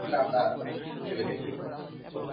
সবসময় হিসেবনিকেশ চলতেই থাকে তার মাথায়!